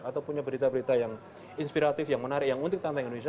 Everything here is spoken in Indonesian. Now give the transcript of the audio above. atau punya berita berita yang inspiratif yang menarik yang untuk tantangan indonesia